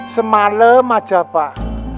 semalam aja pak